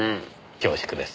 恐縮です。